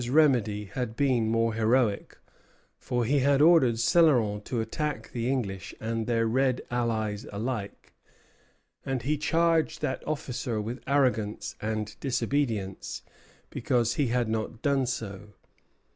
La Jonquière's remedy had been more heroic, for he had ordered Céloron to attack the English and their red allies alike; and he charged that officer with arrogance and disobedience because he had not done so.